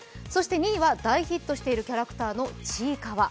２位は大ヒットしているキャラクターのちいかわ。